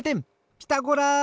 ピタゴラ！